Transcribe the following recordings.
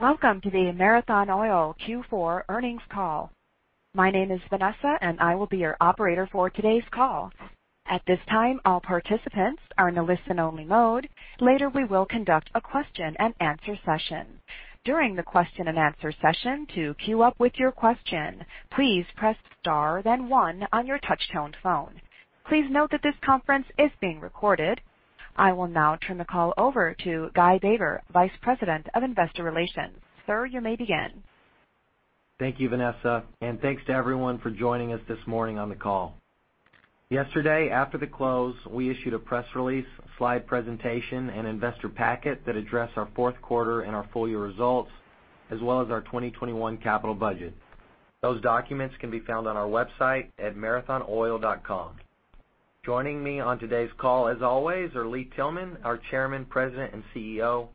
Welcome to the Marathon Oil Q4 earnings call. My name is Vanessa, and I will be your operator for today's call. At this time, all participants are in a listen-only mode. Later, we will conduct a question and answer session. During the question and answer session, to queue up with your question, please press star then one on your touch-tone phone. Please note that this conference is being recorded. I will now turn the call over to Guy Baber, Vice President of Investor Relations. Sir, you may begin. Thank you, Vanessa, and thanks to everyone for joining us this morning on the call. Yesterday, after the close, we issued a press release, slide presentation, and investor packet that addressed our fourth quarter and our full-year results, as well as our 2021 capital budget. Those documents can be found on our website at marathonoil.com. Joining me on today's call, as always, are Lee Tillman, our Chairman, President, and CEO,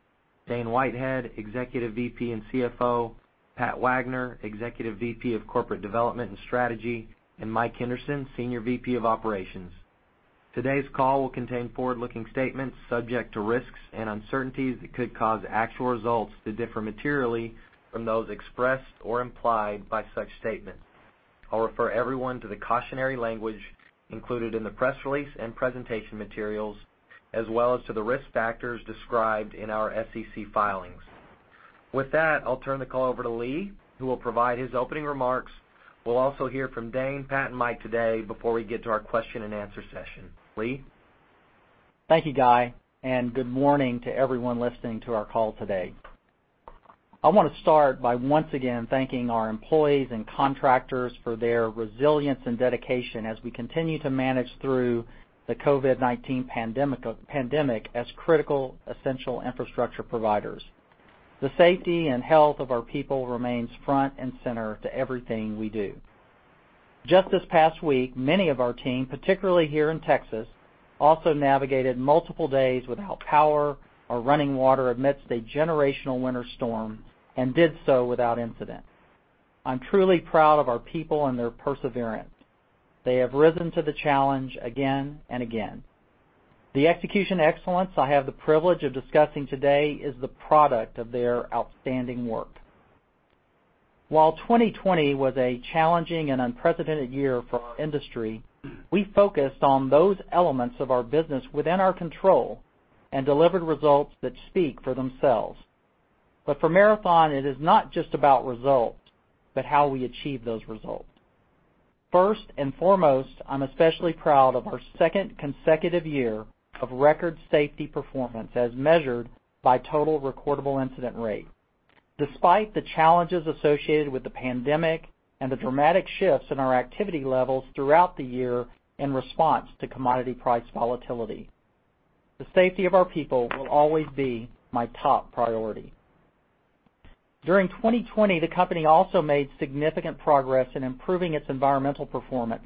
Dane Whitehead, Executive VP and CFO, Pat Wagner, Executive VP of Corporate Development and Strategy, and Mike Henderson, Senior VP of Operations. Today's call will contain forward-looking statements subject to risks and uncertainties that could cause actual results to differ materially from those expressed or implied by such statements. I'll refer everyone to the cautionary language included in the press release and presentation materials, as well as to the risk factors described in our SEC filings. With that, I'll turn the call over to Lee, who will provide his opening remarks. We'll also hear from Dane, Pat, and Mike today before we get to our question and answer session. Lee? Thank you, Guy, and good morning to everyone listening to our call today. I want to start by once again thanking our employees and contractors for their resilience and dedication as we continue to manage through the COVID-19 pandemic as critical, essential infrastructure providers. The safety and health of our people remains front and center to everything we do. Just this past week, many of our team, particularly here in Texas, also navigated multiple days without power or running water amidst a generational winter storm and did so without incident. I'm truly proud of our people and their perseverance. They have risen to the challenge again and again. The execution excellence I have the privilege of discussing today is the product of their outstanding work. While 2020 was a challenging and unprecedented year for our industry, we focused on those elements of our business within our control and delivered results that speak for themselves. For Marathon, it is not just about results, but how we achieve those results. First and foremost, I'm especially proud of our second consecutive year of record safety performance, as measured by total recordable incident rate. Despite the challenges associated with the pandemic and the dramatic shifts in our activity levels throughout the year in response to commodity price volatility, the safety of our people will always be my top priority. During 2020, the company also made significant progress in improving its environmental performance,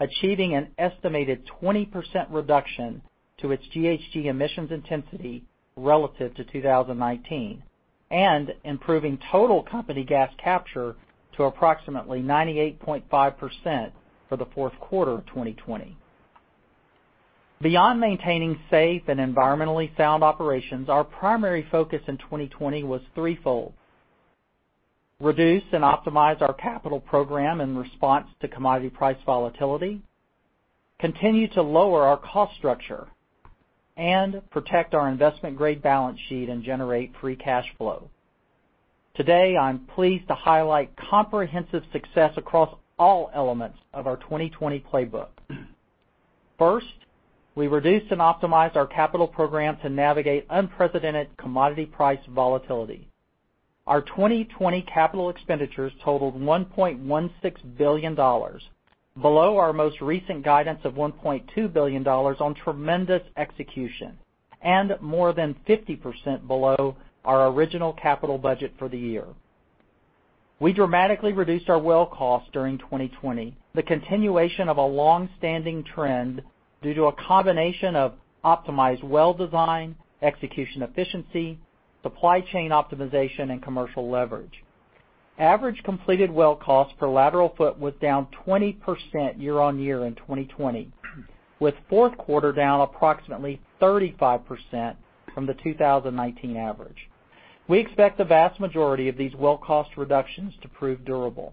achieving an estimated 20% reduction to its GHG emissions intensity relative to 2019 and improving total company gas capture to approximately 98.5% for the fourth quarter of 2020. Beyond maintaining safe and environmentally sound operations, our primary focus in 2020 was threefold: reduce and optimize our capital program in response to commodity price volatility, continue to lower our cost structure, and protect our investment-grade balance sheet and generate free cash flow. Today, I'm pleased to highlight comprehensive success across all elements of our 2020 playbook. First, we reduced and optimized our capital program to navigate unprecedented commodity price volatility. Our 2020 capital expenditures totaled $1.16 billion, below our most recent guidance of $1.2 billion on tremendous execution and more than 50% below our original capital budget for the year. We dramatically reduced our well cost during 2020, the continuation of a long-standing trend due to a combination of optimized well design, execution efficiency, supply chain optimization, and commercial leverage. Average completed well cost per lateral foot was down 20% year-on-year in 2020, with fourth quarter down approximately 35% from the 2019 average. We expect the vast majority of these well cost reductions to prove durable.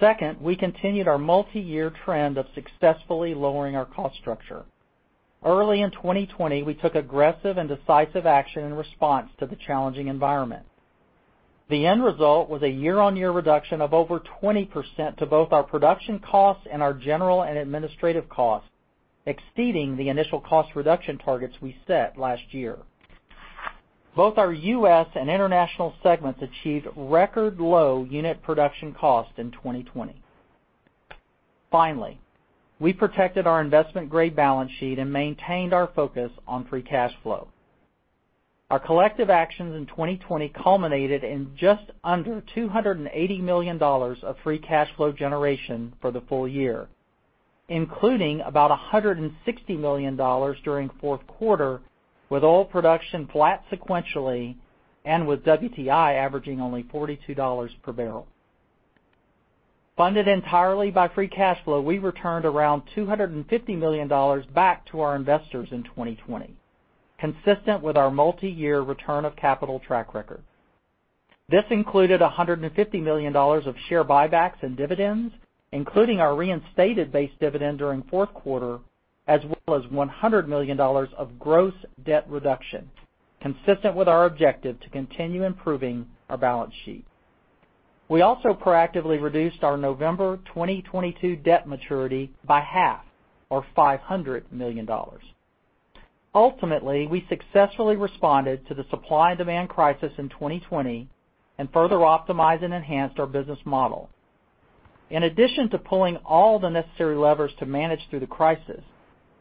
Second, we continued our multiyear trend of successfully lowering our cost structure. Early in 2020, we took aggressive and decisive action in response to the challenging environment. The end result was a year-on-year reduction of over 20% to both our production costs and our general and administrative costs, exceeding the initial cost reduction targets we set last year. Both our U.S. and international segments achieved record low unit production cost in 2020. Finally, we protected our investment-grade balance sheet and maintained our focus on free cash flow. Our collective actions in 2020 culminated in just under $280 million of free cash flow generation for the full year, including about $160 million during fourth quarter, with oil production flat sequentially and with WTI averaging only $42 per barrel. Funded entirely by free cash flow, we returned around $250 million back to our investors in 2020, consistent with our multi-year return of capital track record. This included $150 million of share buybacks and dividends, including our reinstated base dividend during fourth quarter, as well as $100 million of gross debt reduction, consistent with our objective to continue improving our balance sheet. We also proactively reduced our November 2022 debt maturity by half or $500 million. Ultimately, we successfully responded to the supply-demand crisis in 2020 and further optimized and enhanced our business model. In addition to pulling all the necessary levers to manage through the crisis,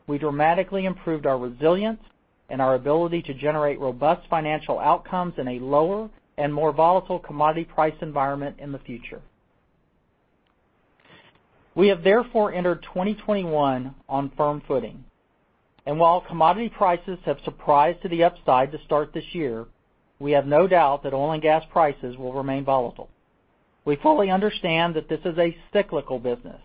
we dramatically improved our resilience and our ability to generate robust financial outcomes in a lower and more volatile commodity price environment in the future. We have therefore entered 2021 on firm footing, and while commodity prices have surprised to the upside to start this year, we have no doubt that oil and gas prices will remain volatile. We fully understand that this is a cyclical business,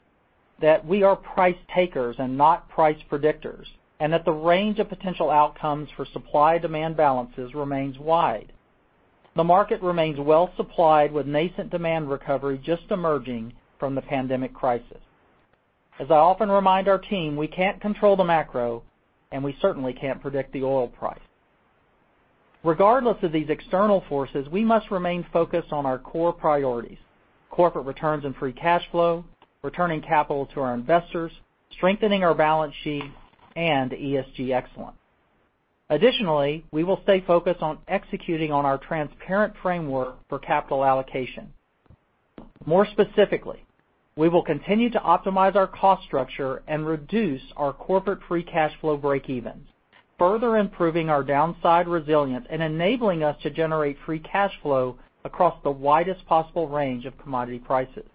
that we are price takers and not price predictors, and that the range of potential outcomes for supply-demand balances remains wide. The market remains well-supplied with nascent demand recovery just emerging from the pandemic crisis. As I often remind our team, we can't control the macro, and we certainly can't predict the oil price. Regardless of these external forces, we must remain focused on our core priorities: corporate returns and free cash flow, returning capital to our investors, strengthening our balance sheet, and ESG excellence. Additionally, we will stay focused on executing on our transparent framework for capital allocation. More specifically, we will continue to optimize our cost structure and reduce our corporate free cash flow breakevens, further improving our downside resilience and enabling us to generate free cash flow across the widest possible range of commodity prices.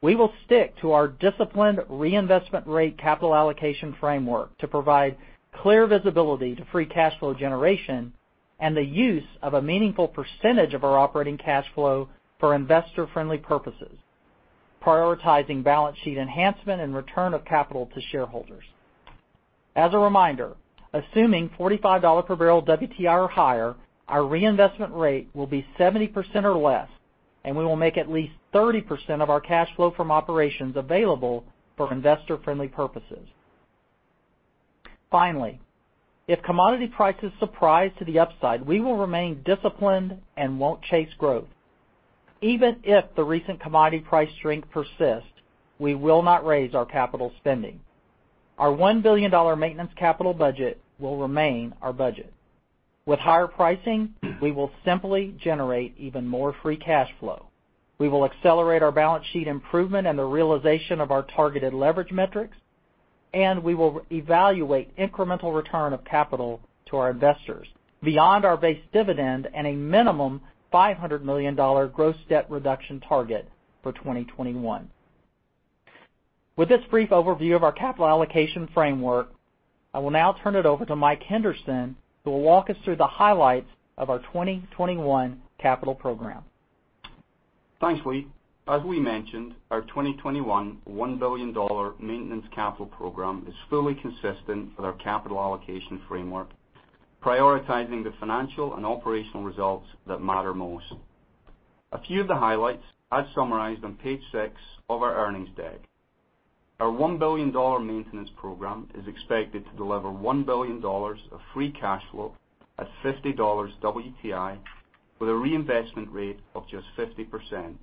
We will stick to our disciplined reinvestment rate capital allocation framework to provide clear visibility to free cash flow generation and the use of a meaningful percentage of our operating cash flow for investor-friendly purposes, prioritizing balance sheet enhancement and return of capital to shareholders. As a reminder, assuming $45 per barrel WTI or higher, our reinvestment rate will be 70% or less, and we will make at least 30% of our cash flow from operations available for investor-friendly purposes. Finally, if commodity prices surprise to the upside, we will remain disciplined and won't chase growth. Even if the recent commodity price strength persists, we will not raise our capital spending. Our $1 billion maintenance capital budget will remain our budget. With higher pricing, we will simply generate even more free cash flow. We will accelerate our balance sheet improvement and the realization of our targeted leverage metrics, and we will evaluate incremental return of capital to our investors beyond our base dividend and a minimum $500 million gross debt reduction target for 2021. With this brief overview of our capital allocation framework, I will now turn it over to Mike Henderson, who will walk us through the highlights of our 2021 capital program. Thanks, Lee. As we mentioned, our 2021 $1 billion maintenance capital program is fully consistent with our capital allocation framework, prioritizing the financial and operational results that matter most. A few of the highlights are summarized on page six of our earnings deck. Our $1 billion maintenance program is expected to deliver $1 billion of free cash flow at $50 WTI with a reinvestment rate of just 50%.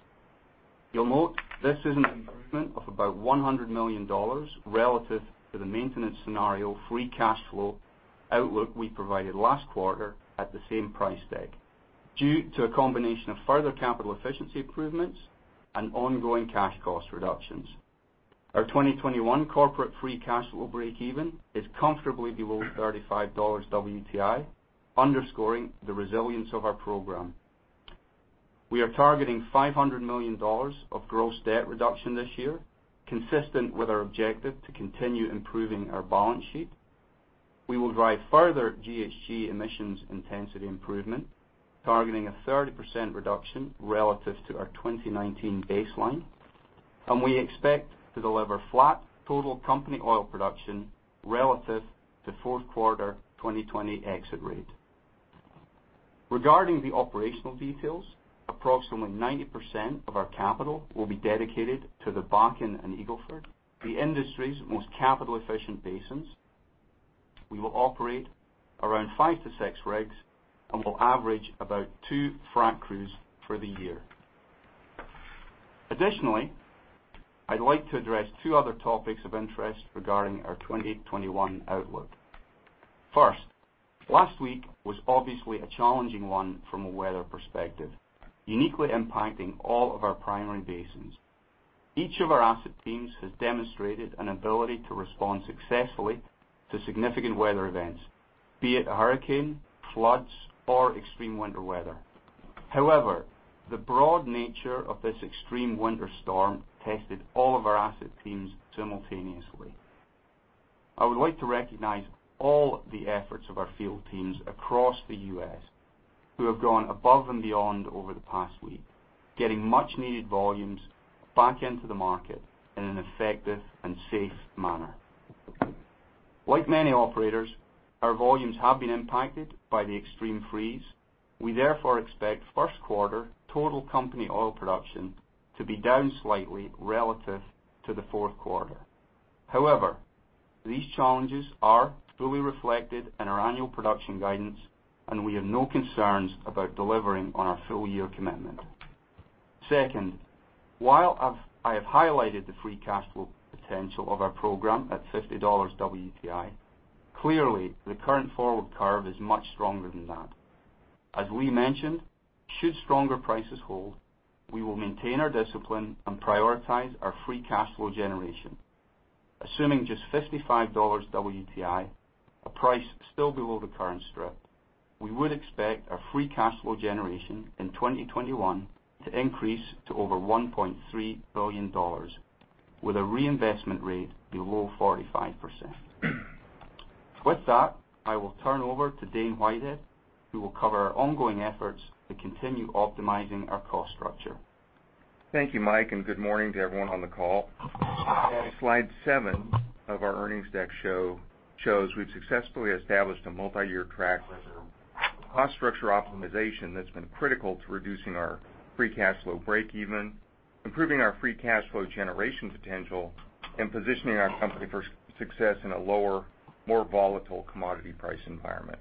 You'll note this is an improvement of about $100 million relative to the maintenance scenario free cash flow outlook we provided last quarter at the same price deck due to a combination of further capital efficiency improvements and ongoing cash cost reductions. Our 2021 corporate free cash flow breakeven is comfortably below $35 WTI, underscoring the resilience of our program. We are targeting $500 million of gross debt reduction this year, consistent with our objective to continue improving our balance sheet. We will drive further GHG emissions intensity improvement, targeting a 30% reduction relative to our 2019 baseline, and we expect to deliver flat total company oil production relative to fourth quarter 2020 exit rate. Regarding the operational details, approximately 90% of our capital will be dedicated to the Bakken and Eagle Ford, the industry's most capital-efficient basins. We will operate around five to six rigs and will average about two frac crews for the year. Additionally, I'd like to address two other topics of interest regarding our 2021 outlook. First, last week was obviously a challenging one from a weather perspective, uniquely impacting all of our primary basins. Each of our asset teams has demonstrated an ability to respond successfully to significant weather events, be it a hurricane, floods, or extreme winter weather. The broad nature of this extreme winter storm tested all of our asset teams simultaneously. I would like to recognize all the efforts of our field teams across the U.S. who have gone above and beyond over the past week, getting much needed volumes back into the market in an effective and safe manner. Like many operators, our volumes have been impacted by the extreme freeze. We therefore expect first quarter total company oil production to be down slightly relative to the fourth quarter. These challenges are fully reflected in our annual production guidance, and we have no concerns about delivering on our full year commitment. Second, while I have highlighted the free cash flow potential of our program at $50 WTI, clearly the current forward curve is much stronger than that. As Lee mentioned, should stronger prices hold, we will maintain our discipline and prioritize our free cash flow generation. Assuming just $55 WTI, a price still below the current strip, we would expect our free cash flow generation in 2021 to increase to over $1.3 billion, with a reinvestment rate below 45%. With that, I will turn over to Dane Whitehead, who will cover our ongoing efforts to continue optimizing our cost structure. Thank you, Mike, and good morning to everyone on the call. Slide seven of our earnings deck shows we've successfully established a multi-year track record of cost structure optimization that's been critical to reducing our free cash flow breakeven, improving our free cash flow generation potential, and positioning our company for success in a lower, more volatile commodity price environment.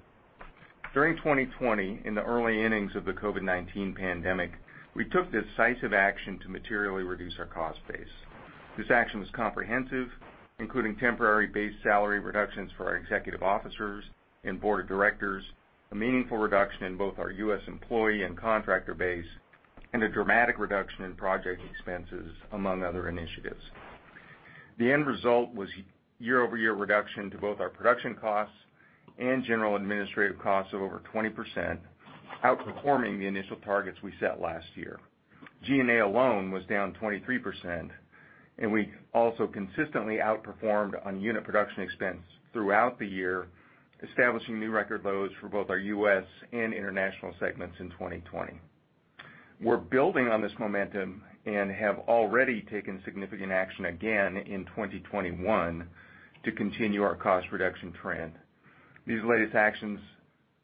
During 2020, in the early innings of the COVID-19 pandemic, we took decisive action to materially reduce our cost base. This action was comprehensive, including temporary base salary reductions for our executive officers and board of directors, a meaningful reduction in both our U.S. employee and contractor base, and a dramatic reduction in project expenses, among other initiatives. The end result was year-over-year reduction to both our production costs and general administrative costs of over 20%, outperforming the initial targets we set last year. G&A alone was down 23%, and we also consistently outperformed on unit production expense throughout the year, establishing new record lows for both our U.S. and international segments in 2020. We're building on this momentum and have already taken significant action again in 2021 to continue our cost reduction trend. These latest actions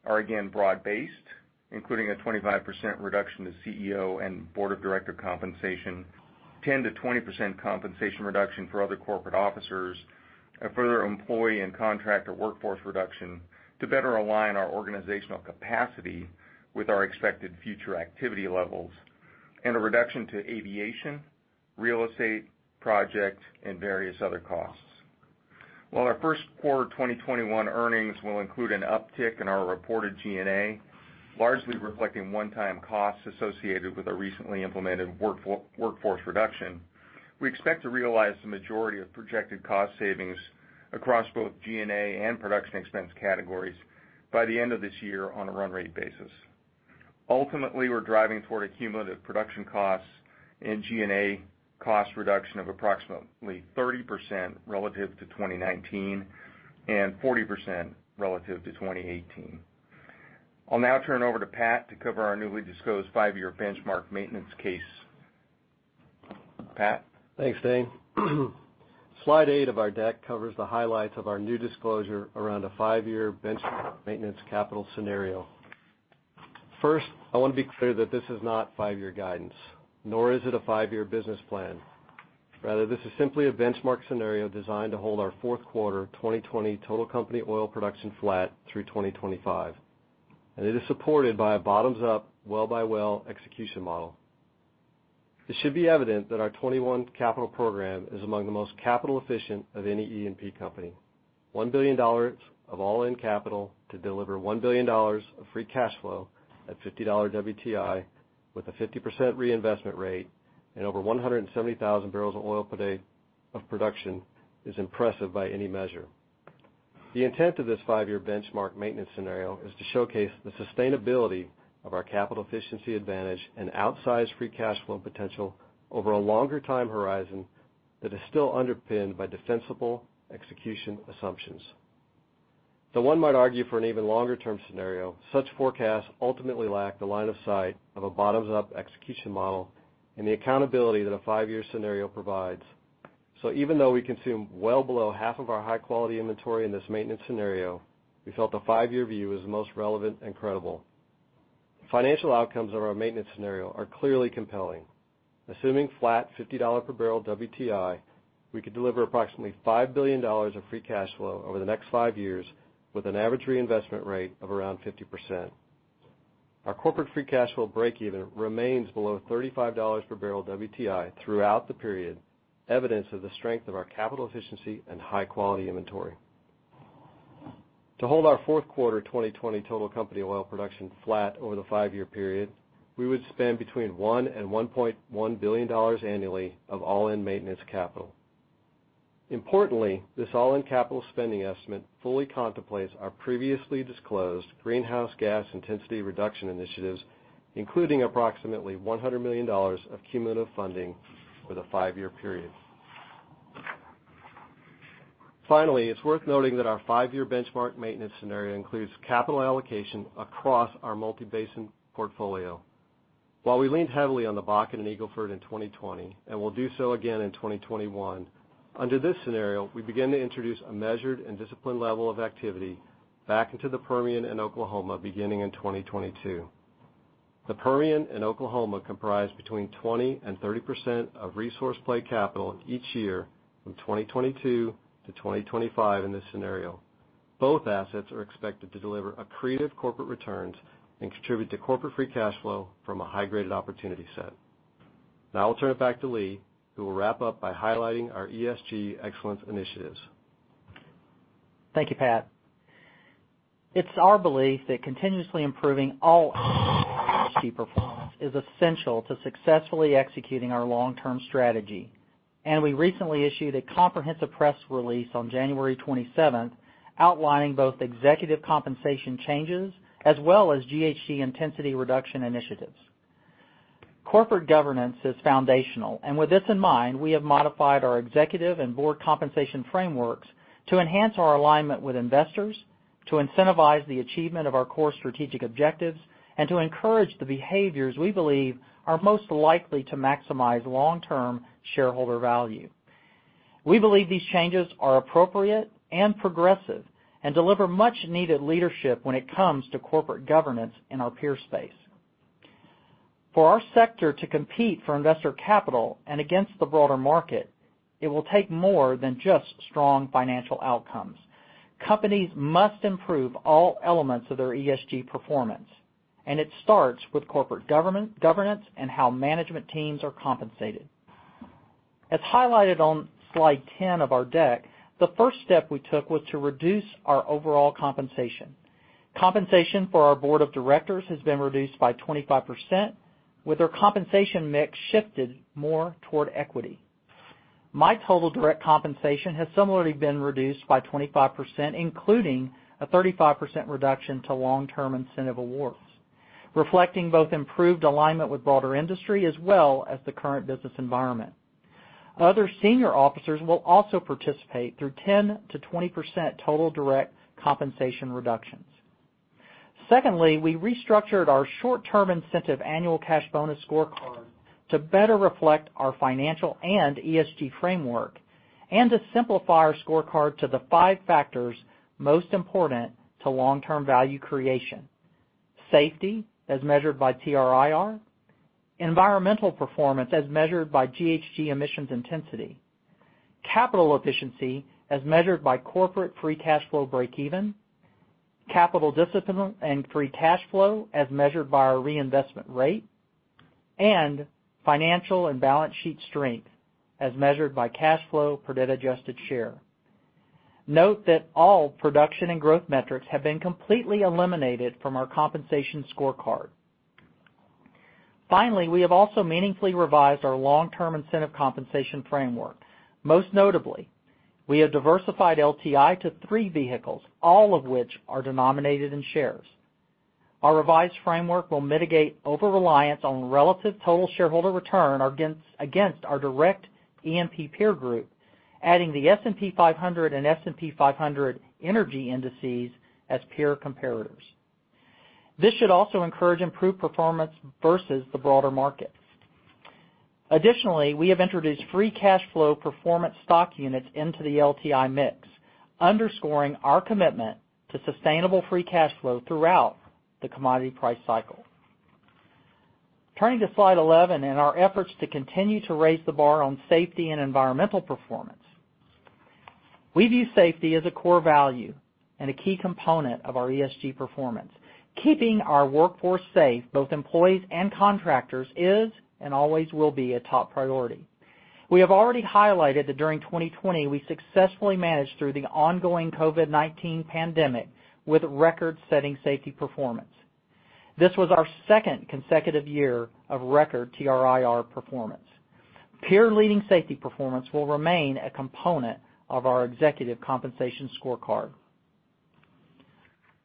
are again broad based, including a 25% reduction to CEO and board of director compensation, 10%-20% compensation reduction for other corporate officers, a further employee and contractor workforce reduction to better align our organizational capacity with our expected future activity levels, and a reduction to aviation, real estate, project, and various other costs. While our first quarter 2021 earnings will include an uptick in our reported G&A, largely reflecting one-time costs associated with a recently implemented workforce reduction, we expect to realize the majority of projected cost savings across both G&A and production expense categories by the end of this year on a run rate basis. Ultimately, we're driving toward a cumulative production cost and G&A cost reduction of approximately 30% relative to 2019, and 40% relative to 2018. I'll now turn over to Pat to cover our newly disclosed five-year benchmark maintenance case. Pat? Thanks, Dane. Slide eight of our deck covers the highlights of our new disclosure around a five-year benchmark maintenance capital scenario. First, I want to be clear that this is not five-year guidance, nor is it a five-year business plan. Rather, this is simply a benchmark scenario designed to hold our fourth quarter 2020 total company oil production flat through 2025. It is supported by a bottoms-up, well-by-well execution model. It should be evident that our 2021 capital program is among the most capital efficient of any E&P company. $1 billion of all-in capital to deliver $1 billion of free cash flow at $50 WTI with a 50% reinvestment rate and over 170,000 barrels of oil per day of production is impressive by any measure. The intent of this five-year benchmark maintenance scenario is to showcase the sustainability of our capital efficiency advantage and outsized free cash flow potential over a longer time horizon that is still underpinned by defensible execution assumptions. Though one might argue for an even longer-term scenario, such forecasts ultimately lack the line of sight of a bottoms up execution model and the accountability that a five-year scenario provides. Even though we consume well below half of our high-quality inventory in this maintenance scenario, we felt a five-year view is the most relevant and credible. Financial outcomes of our maintenance scenario are clearly compelling. Assuming flat $50 per barrel WTI, we could deliver approximately $5 billion of free cash flow over the next five years with an average reinvestment rate of around 50%. Our corporate free cash flow breakeven remains below $35 per barrel WTI throughout the period, evidence of the strength of our capital efficiency and high-quality inventory. To hold our fourth quarter 2020 total company oil production flat over the five-year period, we would spend between $1 billion and $1.1 billion annually of all-in maintenance capital. Importantly, this all-in capital spending estimate fully contemplates our previously disclosed greenhouse gas intensity reduction initiatives, including approximately $100 million of cumulative funding for the five-year period. Finally, it's worth noting that our five-year benchmark maintenance scenario includes capital allocation across our multi-basin portfolio. While we leaned heavily on the Bakken and Eagle Ford in 2020, and will do so again in 2021, under this scenario, we begin to introduce a measured and disciplined level of activity back into the Permian and Oklahoma beginning in 2022. The Permian and Oklahoma comprise between 20% and 30% of resource play capital each year from 2022 to 2025 in this scenario. Both assets are expected to deliver accretive corporate returns and contribute to corporate free cash flow from a high-graded opportunity set. I'll turn it back to Lee, who will wrap up by highlighting our ESG excellence initiatives. Thank you, Pat. It's our belief that continuously improving all ESG performance is essential to successfully executing our long-term strategy, and we recently issued a comprehensive press release on January 27th outlining both executive compensation changes as well as GHG intensity reduction initiatives. Corporate governance is foundational, and with this in mind, we have modified our executive and board compensation frameworks to enhance our alignment with investors, to incentivize the achievement of our core strategic objectives, and to encourage the behaviors we believe are most likely to maximize long-term shareholder value. We believe these changes are appropriate and progressive and deliver much needed leadership when it comes to corporate governance in our peer space. For our sector to compete for investor capital and against the broader market, it will take more than just strong financial outcomes. Companies must improve all elements of their ESG performance, and it starts with corporate governance and how management teams are compensated. As highlighted on slide 10 of our deck, the first step we took was to reduce our overall compensation. Compensation for our board of directors has been reduced by 25%, with our compensation mix shifted more toward equity. My total direct compensation has similarly been reduced by 25%, including a 35% reduction to long-term incentive awards, reflecting both improved alignment with broader industry as well as the current business environment. Other senior officers will also participate through 10%-20% total direct compensation reductions. Secondly, we restructured our short-term incentive annual cash bonus scorecard to better reflect our financial and ESG framework and to simplify our scorecard to the five factors most important to long-term value creation. Safety, as measured by TRIR. Environmental performance, as measured by GHG emissions intensity. Capital efficiency, as measured by corporate free cash flow breakeven. Capital discipline and free cash flow, as measured by our reinvestment rate. Financial and balance sheet strength, as measured by cash flow per debt adjusted share. Note that all production and growth metrics have been completely eliminated from our compensation scorecard. We have also meaningfully revised our long-term incentive compensation framework. Most notably, we have diversified LTI to three vehicles, all of which are denominated in shares. Our revised framework will mitigate over-reliance on relative total shareholder return against our direct E&P peer group, adding the S&P 500 and S&P 500 Energy indices as peer comparators. This should also encourage improved performance versus the broader market. Additionally, we have introduced free cash flow performance stock units into the LTI mix, underscoring our commitment to sustainable free cash flow throughout the commodity price cycle. Turning to slide 11 and our efforts to continue to raise the bar on safety and environmental performance. We view safety as a core value and a key component of our ESG performance. Keeping our workforce safe, both employees and contractors, is and always will be a top priority. We have already highlighted that during 2020, we successfully managed through the ongoing COVID-19 pandemic with record-setting safety performance. This was our second consecutive year of record TRIR performance. Peer leading safety performance will remain a component of our executive compensation scorecard.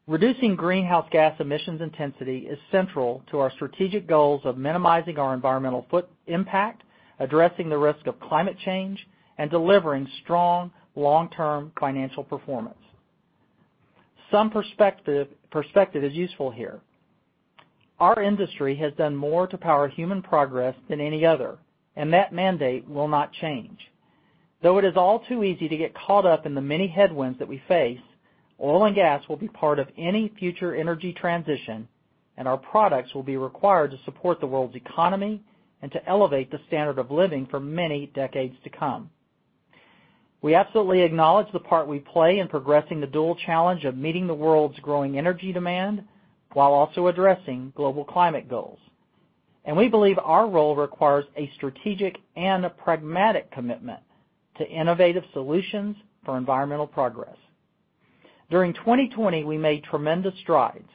Reducing greenhouse gas emissions intensity is central to our strategic goals of minimizing our environmental foot impact, addressing the risk of climate change, and delivering strong long-term financial performance. Some perspective is useful here. Our industry has done more to power human progress than any other, and that mandate will not change. Though it is all too easy to get caught up in the many headwinds that we face, oil and gas will be part of any future energy transition, and our products will be required to support the world's economy and to elevate the standard of living for many decades to come. We absolutely acknowledge the part we play in progressing the dual challenge of meeting the world's growing energy demand while also addressing global climate goals. We believe our role requires a strategic and a pragmatic commitment to innovative solutions for environmental progress. During 2020, we made tremendous strides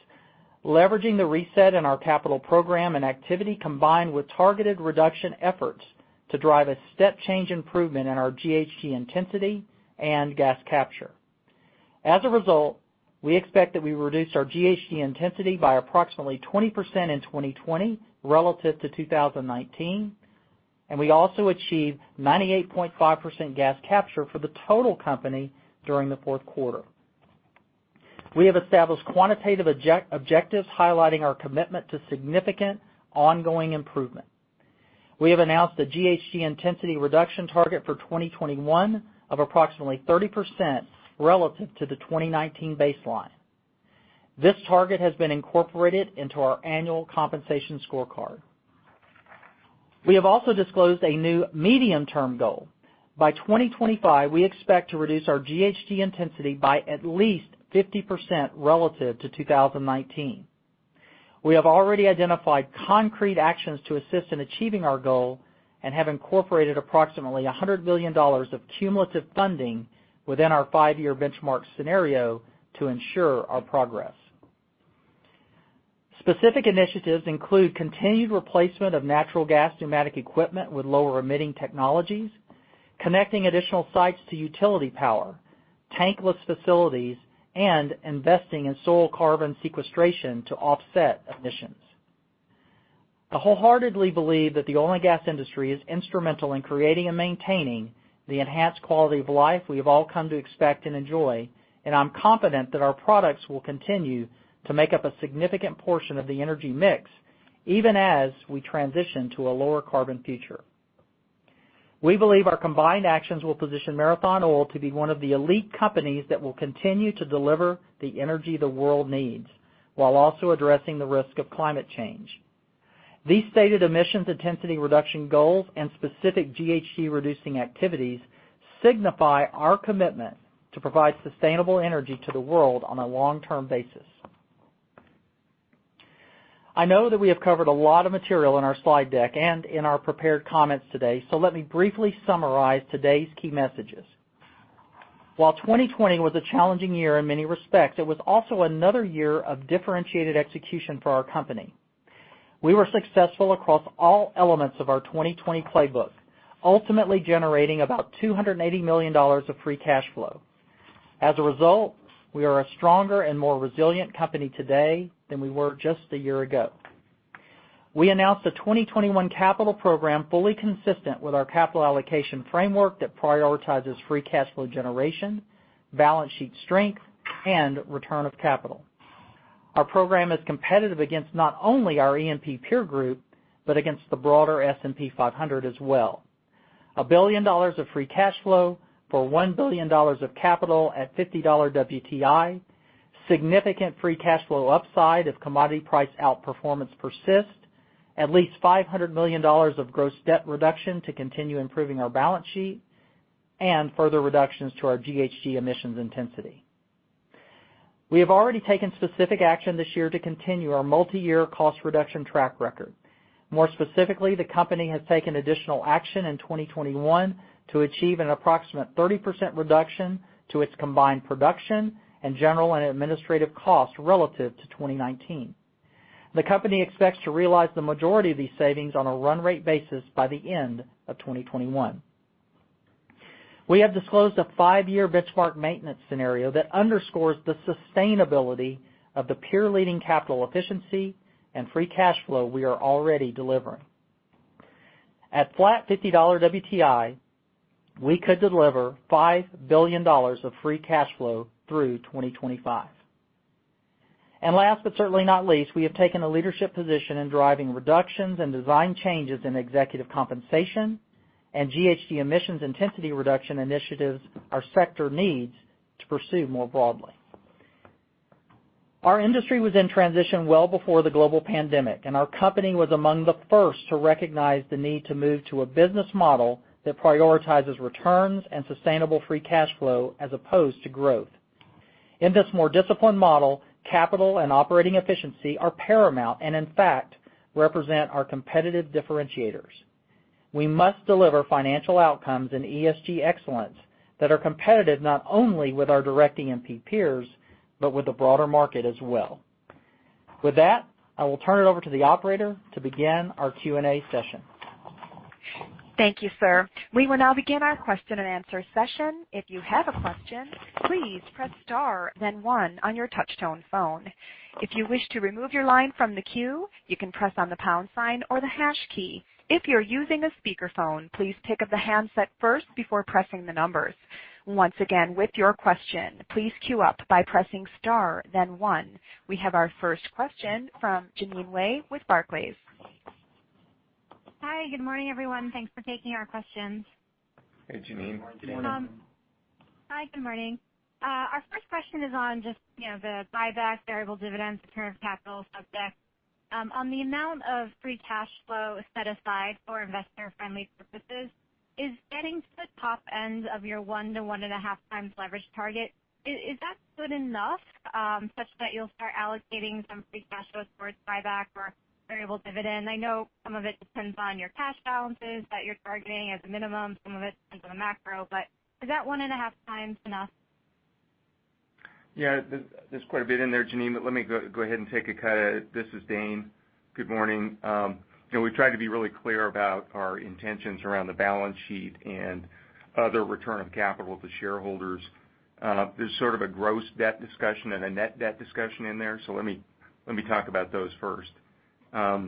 leveraging the reset in our capital program and activity combined with targeted reduction efforts to drive a step change improvement in our GHG intensity and gas capture. As a result, we expect that we reduce our GHG intensity by approximately 20% in 2020 relative to 2019, and we also achieved 98.5% gas capture for the total company during the fourth quarter. We have established quantitative objectives highlighting our commitment to significant ongoing improvement. We have announced a GHG intensity reduction target for 2021 of approximately 30% relative to the 2019 baseline. This target has been incorporated into our annual compensation scorecard. We have also disclosed a new medium-term goal. By 2025, we expect to reduce our GHG intensity by at least 50% relative to 2019. We have already identified concrete actions to assist in achieving our goal and have incorporated approximately $100 million of cumulative funding within our five-year benchmark scenario to ensure our progress. Specific initiatives include continued replacement of natural gas pneumatic equipment with lower-emitting technologies, connecting additional sites to utility power, tankless facilities, and investing in soil carbon sequestration to offset emissions. I wholeheartedly believe that the oil and gas industry is instrumental in creating and maintaining the enhanced quality of life we have all come to expect and enjoy, and I'm confident that our products will continue to make up a significant portion of the energy mix, even as we transition to a lower carbon future. We believe our combined actions will position Marathon Oil to be one of the elite companies that will continue to deliver the energy the world needs while also addressing the risk of climate change. These stated emissions intensity reduction goals and specific GHG-reducing activities signify our commitment to provide sustainable energy to the world on a long-term basis. I know that we have covered a lot of material in our slide deck and in our prepared comments today, so let me briefly summarize today's key messages. While 2020 was a challenging year in many respects, it was also another year of differentiated execution for our company. We were successful across all elements of our 2020 playbook, ultimately generating about $280 million of free cash flow. As a result, we are a stronger and more resilient company today than we were just a year ago. We announced a 2021 capital program fully consistent with our capital allocation framework that prioritizes free cash flow generation, balance sheet strength, and return of capital. Our program is competitive against not only our E&P peer group, but against the broader S&P 500 as well. $1 billion of free cash flow for $1 billion of capital at $50 WTI, significant free cash flow upside if commodity price outperformance persists, at least $500 million of gross debt reduction to continue improving our balance sheet, and further reductions to our GHG emissions intensity. We have already taken specific action this year to continue our multi-year cost reduction track record. More specifically, the company has taken additional action in 2021 to achieve an approximate 30% reduction to its combined production and general and administrative costs relative to 2019. The company expects to realize the majority of these savings on a run-rate basis by the end of 2021. We have disclosed a five-year benchmark maintenance scenario that underscores the sustainability of the peer-leading capital efficiency and free cash flow we are already delivering. At flat $50 WTI, we could deliver $5 billion of free cash flow through 2025. Last but certainly not least, we have taken a leadership position in driving reductions and design changes in executive compensation and GHG emissions intensity reduction initiatives our sector needs to pursue more broadly. Our industry was in transition well before the global pandemic, and our company was among the first to recognize the need to move to a business model that prioritizes returns and sustainable free cash flow as opposed to growth. In this more disciplined model, capital and operating efficiency are paramount and, in fact, represent our competitive differentiators. We must deliver financial outcomes and ESG excellence that are competitive not only with our direct E&P peers but with the broader market as well. With that, I will turn it over to the operator to begin our Q&A session. Thank you, sir. We will now begin our question-and-answer session. If you have a question, please press star then one on your touch-tone phone. If you wish to remove your line from the queue, you can press on the pound sign or the hash key. If you're using a speakerphone, please pick up the handset first before pressing the numbers. Once again, with your question, please queue up by pressing star then one. We have our first question from Jeanine Wai with Barclays. Hi, good morning, everyone. Thanks for taking our questions. Hey, Jeanine. Hi, good morning. Our first question is on just the buyback variable dividends return of capital subject. On the amount of free cash flow set aside for investor-friendly purposes, is getting to the top end of your one to one and a half times leverage target, is that good enough such that you'll start allocating some free cash flow towards buyback or variable dividend? I know some of it depends on your cash balances that you're targeting as a minimum. Some of it depends on the macro. Is that 1.5x enough? Yeah, there's quite a bit in there, Jeanine, but let me go ahead and take a cut at it. This is Dane. Good morning. We try to be really clear about our intentions around the balance sheet and other return of capital to shareholders. There's sort of a gross debt discussion and a net debt discussion in there, so let me talk about those first. As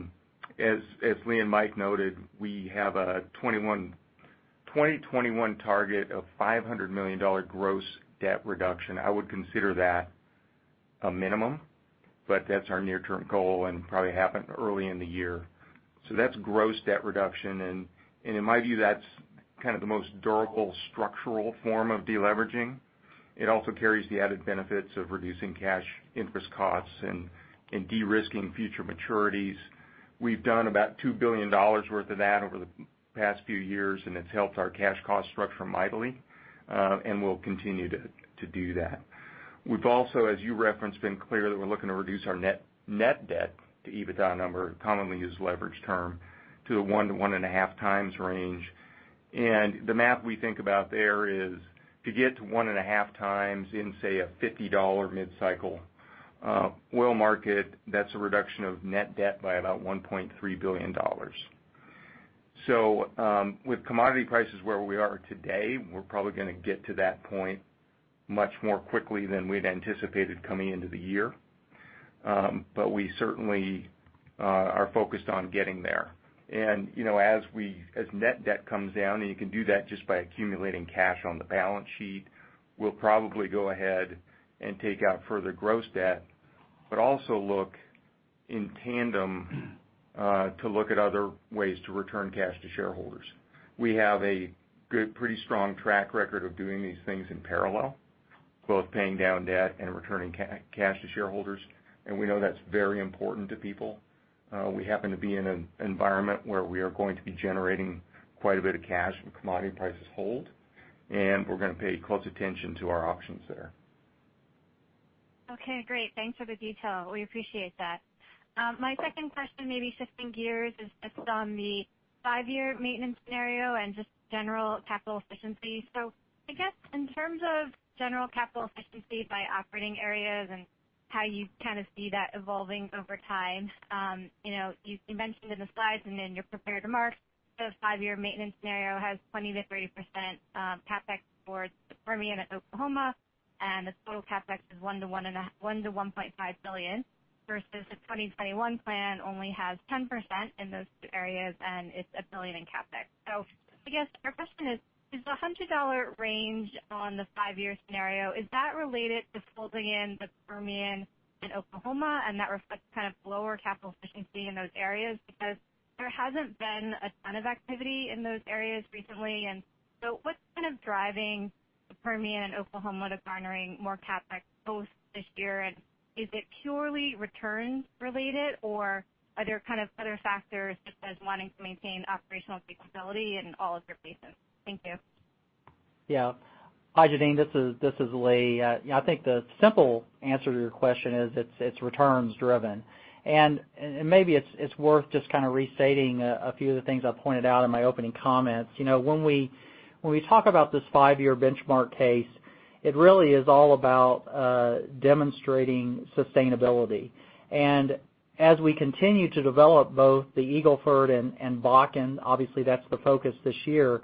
Lee and Mike noted, we have a 2021 target of $500 million gross debt reduction. I would consider that a minimum, but that's our near-term goal and probably happen early in the year. That's gross debt reduction, and in my view, that's the most durable structural form of de-leveraging. It also carries the added benefits of reducing cash interest costs and de-risking future maturities. We've done about $2 billion worth of that over the past few years, and it's helped our cash cost structure mightily, and we'll continue to do that. We've also, as you referenced, been clear that we're looking to reduce our net debt to EBITDA number, commonly used leverage term, to the 1x-1.5x range. The math we think about there is to get to 1.5x in, say, a $50 mid-cycle oil market, that's a reduction of net debt by about $1.3 billion. With commodity prices where we are today, we're probably going to get to that point much more quickly than we'd anticipated coming into the year. We certainly are focused on getting there. As net debt comes down, and you can do that just by accumulating cash on the balance sheet, we'll probably go ahead and take out further gross debt, but also look in tandem to look at other ways to return cash to shareholders. We have a pretty strong track record of doing these things in parallel, both paying down debt and returning cash to shareholders, and we know that's very important to people. We happen to be in an environment where we are going to be generating quite a bit of cash if commodity prices hold, and we're going to pay close attention to our options there. Okay, great. Thanks for the detail. We appreciate that. My second question, maybe shifting gears, is just on the five-year maintenance scenario and just general capital efficiency. I guess in terms of general capital efficiency by operating areas and how you see that evolving over time, you mentioned in the slides and in your prepared remarks, the five-year maintenance scenario has 20%-30% CapEx for the Permian and Oklahoma, and the total CapEx is $1 billion-$1.5 billion, versus the 2021 plan only has 10% in those two areas, and it's $1 billion in CapEx. I guess our question is the $100 range on the five-year scenario, is that related to folding in the Permian and Oklahoma, and that reflects lower capital efficiency in those areas? Because there hasn't been a ton of activity in those areas recently, and so what's driving the Permian and Oklahoma to garnering more CapEx both this year, and is it purely returns related, or are there other factors such as wanting to maintain operational flexibility in all of your basins? Thank you. Yeah. Hi, Jeanine. This is Lee. I think the simple answer to your question is it's returns driven. Maybe it's worth just restating a few of the things I pointed out in my opening comments. When we talk about this five-year benchmark case, it really is all about demonstrating sustainability. As we continue to develop both the Eagle Ford and Bakken, obviously that's the focus this year,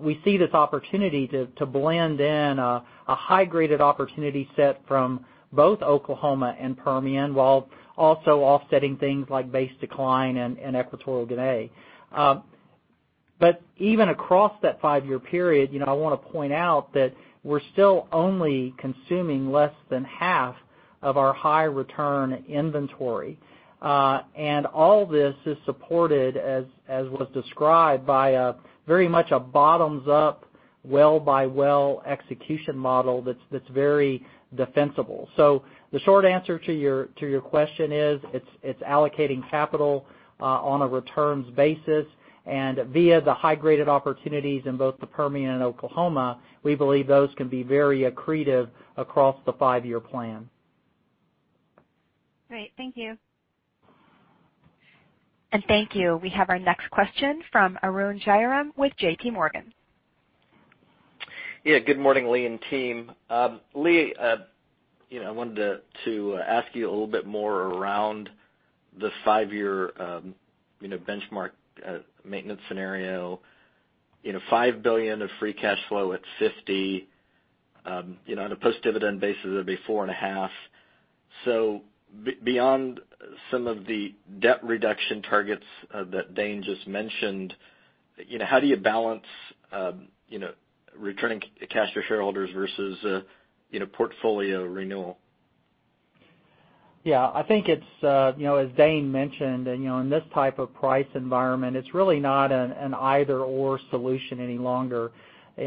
we see this opportunity to blend in a high-graded opportunity set from both Oklahoma and Permian, while also offsetting things like base decline in Equatorial Guinea. Even across that five-year period, I want to point out that we're still only consuming less than half of our high return inventory. All this is supported, as was described, by very much a bottoms up, well-by-well execution model that's very defensible. The short answer to your question is it's allocating capital on a returns basis, and via the high-graded opportunities in both the Permian and Oklahoma, we believe those can be very accretive across the five-year plan. Great. Thank you. Thank you. We have our next question from Arun Jayaram with JPMorgan. Good morning, Lee and team. Lee, I wanted to ask you a little bit more around the five-year benchmark maintenance scenario. $5 billion of free cash flow at $50, on a post-dividend basis, it'll be $4.5 billion. Beyond some of the debt reduction targets that Dane just mentioned, how do you balance returning cash to shareholders versus portfolio renewal? Yeah. I think it's, as Dane mentioned, in this type of price environment, it's really not an either/or solution any longer.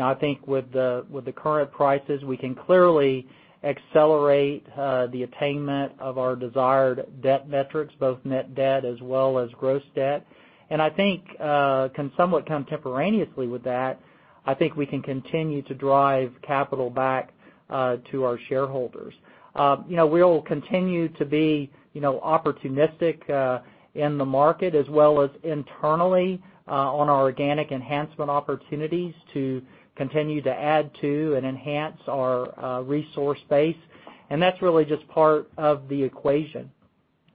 I think with the current prices, we can clearly accelerate the attainment of our desired debt metrics, both net debt as well as gross debt. I think can somewhat contemporaneously with that, I think we can continue to drive capital back to our shareholders. We'll continue to be opportunistic in the market as well as internally on our organic enhancement opportunities to continue to add to and enhance our resource base. That's really just part of the equation.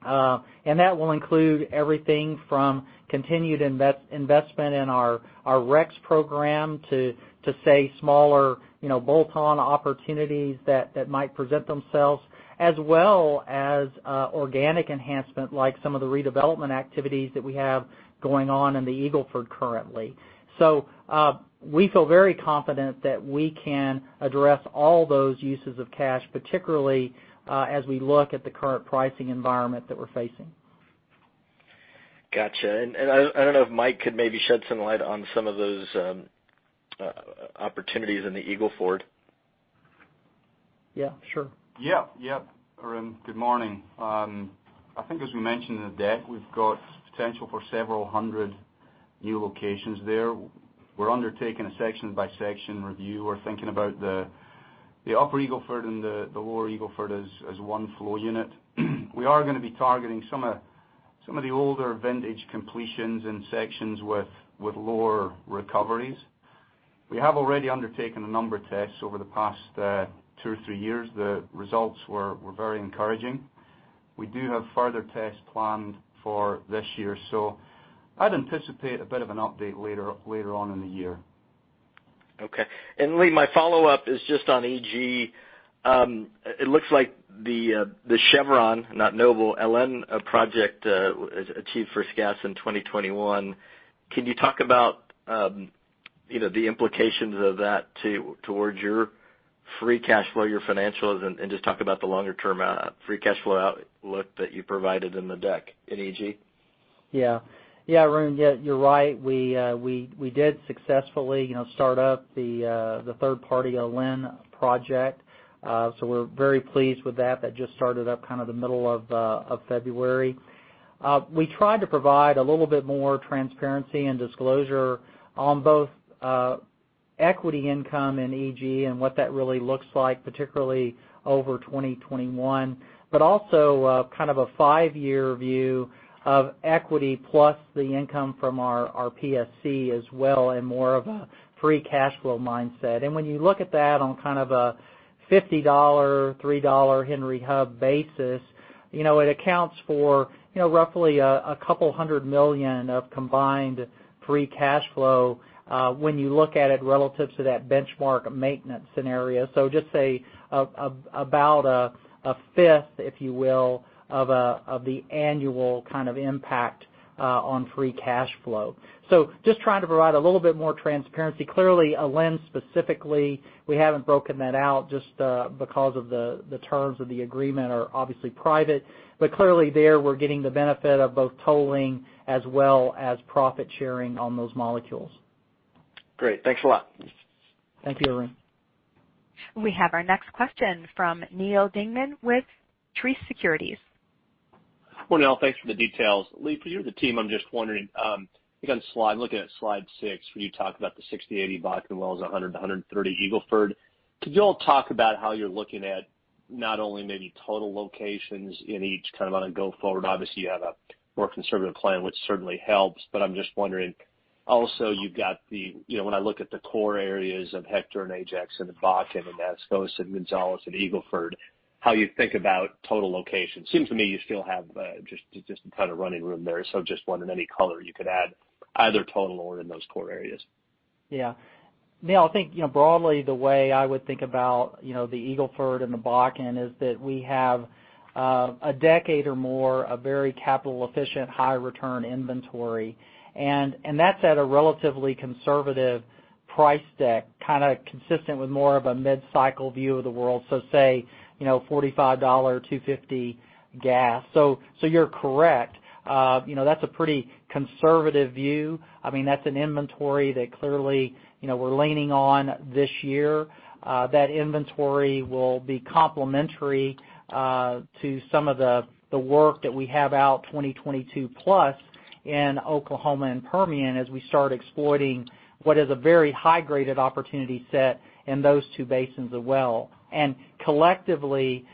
That will include everything from continued investment in our REx program to, say, smaller bolt-on opportunities that might present themselves, as well as organic enhancement, like some of the redevelopment activities that we have going on in the Eagle Ford currently. We feel very confident that we can address all those uses of cash, particularly as we look at the current pricing environment that we're facing. Got you. I don't know if Mike could maybe shed some light on some of those opportunities in the Eagle Ford. Yeah, sure. Yeah. Arun, good morning. I think as we mentioned in the deck, we've got potential for several hundred new locations there. We're undertaking a section-by-section review. We're thinking about the upper Eagle Ford and the lower Eagle Ford as one flow unit. We are going to be targeting some of the older vintage completions and sections with lower recoveries. We have already undertaken a number of tests over the past two or three years. The results were very encouraging. We do have further tests planned for this year, so I'd anticipate a bit of an update later on in the year. Okay. Lee, my follow-up is just on EG. It looks like the Chevron, Noble, Alen project achieved first gas in 2021. Can you talk about the implications of that towards your free cash flow, your financials, and just talk about the longer-term free cash flow outlook that you provided in the deck in EG? Yeah, Arun, you're right. We did successfully start up the third-party Alen project. We're very pleased with that. That just started up kind of the middle of February. We tried to provide a little bit more transparency and disclosure on both equity income and EG, and what that really looks like, particularly over 2021, but also kind of a five-year view of equity plus the income from our PSC as well, and more of a free cash flow mindset. When you look at that on kind of a $50, $3 Henry Hub basis, it accounts for roughly a couple hundred million of combined free cash flow when you look at it relative to that benchmark maintenance scenario. Just say about a fifth, if you will, of the annual impact on free cash flow. Just trying to provide a little bit more transparency. Clearly, Alen specifically, we haven't broken that out just because of the terms of the agreement are obviously private, but clearly there, we're getting the benefit of both tolling as well as profit sharing on those molecules. Great. Thanks a lot. Thank you, Arun. We have our next question from Neal Dingmann with Truist Securities. Well, thanks for the details. Lee, for you or the team, I'm just wondering, again, looking at slide six, where you talk about the 60-80 Bakken wells, 100-130 Eagle Ford. Could you all talk about how you're looking at not only maybe total locations in each kind of on a go forward? Obviously, you have a more conservative plan, which certainly helps. I'm just wondering. Also, when I look at the core areas of Hector and Ajax and the Bakken and Atascosa and Gonzales and Eagle Ford, how you think about total locations. Seems to me you still have just some kind of running room there. Just wondering any color you could add, either total or in those core areas. Neal, I think broadly, the way I would think about the Eagle Ford and the Bakken is that we have a decade or more of very capital-efficient, high-return inventory. That's at a relatively conservative price deck, kind of consistent with more of a mid-cycle view of the world. Say $45, $2.50 gas. You're correct. That's a pretty conservative view. That's an inventory that clearly we're leaning on this year. That inventory will be complementary to some of the work that we have out 2022 plus in Oklahoma and Permian, as we start exploiting what is a very high-graded opportunity set in those two basins as well. Collectively,